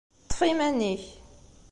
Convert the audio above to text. Ṭṭef iman-ik.